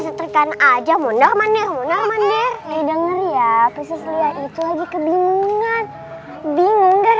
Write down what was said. setrika aja monarmanir monarmanir denger ya itu lagi kebingungan bingung